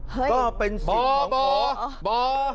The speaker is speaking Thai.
ก็เป็นสิทธิ์ของผม